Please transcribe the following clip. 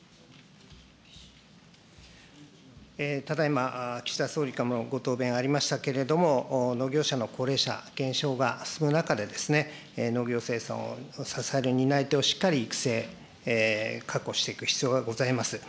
ただいま、岸田総理からもご答弁ありましたけれども、農業者の高齢者減少が進む中で、農業生産を支える担い手をしっかり育成、確保していく必要がございます。